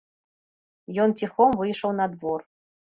Ён ціхом выйшаў на двор.